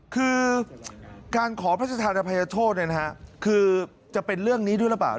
คือการขอพระราชธานอภัยโทษคือจะเป็นเรื่องนี้ด้วยหรือเปล่า